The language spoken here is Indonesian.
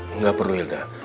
enggak perlu hilda